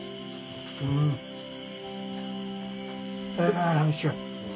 あおいしい。